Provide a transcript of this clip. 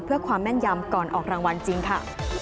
เพื่อความแม่นยำก่อนออกรางวัลจริงค่ะ